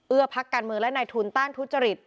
พักการเมืองและนายทุนต้านทุจริต